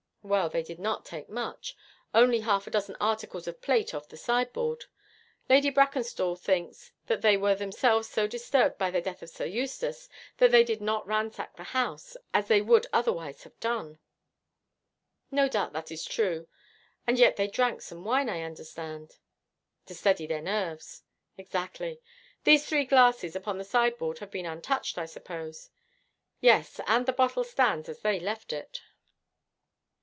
'Well, they did not take much only half a dozen articles of plate off the sideboard. Lady Brackenstall thinks that they were themselves so disturbed by the death of Sir Eustace that they did not ransack the house, as they would otherwise have done.' 'No doubt that is true, and yet they drank some wine, I understand.' To steady their nerves.' 'Exactly. These three glasses upon the sideboard have been untouched, I suppose?' 'Yes, and the bottle stands as they left it.'